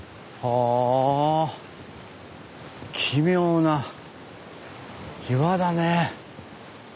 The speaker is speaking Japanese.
はあ奇妙な岩だね。